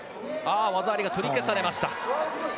技ありが取り消されました。